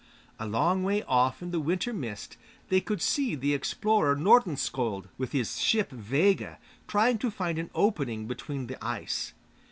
A long way off in the winter mist they could see the explorer Nordenskiold with his ship Vega trying to find an opening between the ice.